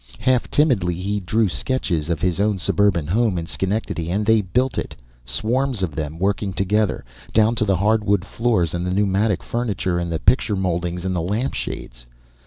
Half timidly, he drew sketches of his own suburban home in Schenectady; and they built it, swarms of them working together, down to the hardwood floors and the pneumatic furniture and the picture mouldings and the lampshades.